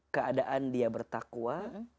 keadaan dia bertakwa